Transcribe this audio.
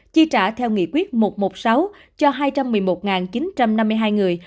chi trả theo nghị quyết một trăm một mươi sáu cho hai trăm ba mươi bốn bảy trăm chín mươi ba người